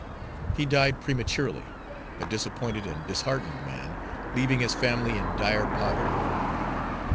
He died prematurely, a disappointed and disheartened man, leaving his family in dire poverty.